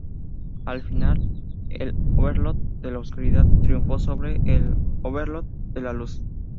Al final, el OverLord de la Oscuridad triunfó sobre el OverLord de la luz.